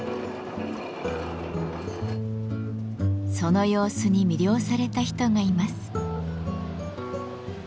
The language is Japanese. その様子に魅了された人がいます。